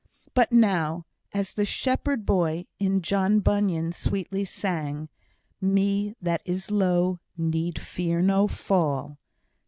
But now, as the shepherd boy in John Bunyan sweetly sang, "He that is low need fear no fall."